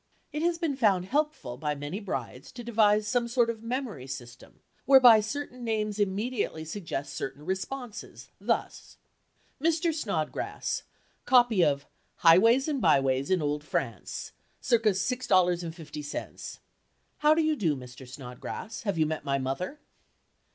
It has been found helpful by many brides to devise some sort of memory system whereby certain names immediately suggest certain responses, thus: "Mr. Snodgrass—copy of 'Highways and Byways in Old France'"—c. $6.50—"how do you do, Mr. Snodgrass, have you met my mother?"